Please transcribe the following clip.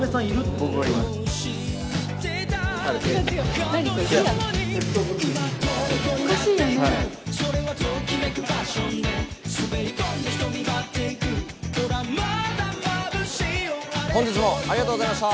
本日もありがとうございました。